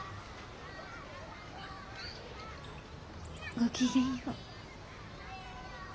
ごきげんよう。